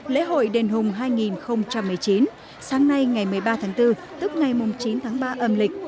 lễ hội đền hùng hai nghìn một mươi chín sáng nay ngày một mươi ba tháng bốn tức ngày chín tháng ba âm lịch